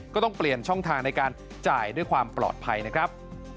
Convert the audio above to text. ก็ต้องเปลี่ยนช่องทางในการจ่ายด้วยความปลอดภัยนะครับ